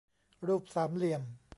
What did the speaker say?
รูปสามเหลี่ยม